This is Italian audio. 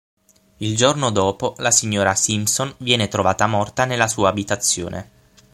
Il giorno dopo la signora Simpson viene trovata morta nella sua abitazione.